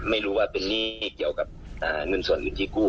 ไม่รู้ว่าเป็นหนี้เกี่ยวกับเงินส่วนหนึ่งที่กู้